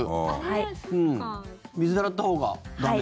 水で洗ったほうが駄目？